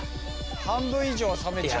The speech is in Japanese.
半分以上は冷めちゃう。